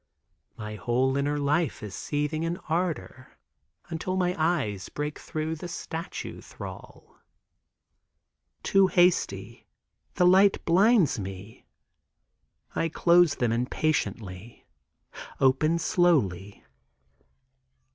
My whole inner is seething in ardor until my eyes break through the statue thrall. Too hasty—the light blinds me. I close them impatiently; open slowly.